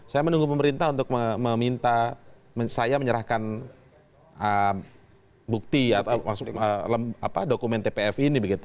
saya menunggu pemerintah untuk saya menyerahkan bukti atau maksudnya dokumen tpf ini begitu